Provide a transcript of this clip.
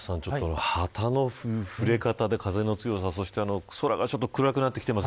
旗の振れ方で風の強さそして空が暗くなってきています。